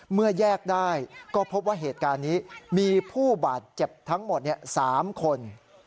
แยกได้ก็พบว่าเหตุการณ์นี้มีผู้บาดเจ็บทั้งหมด๓คน